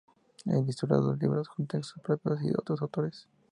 Ha ilustrado libros con textos propios y de otros autores.